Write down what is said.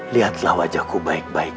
lihatlah wajahku baik baik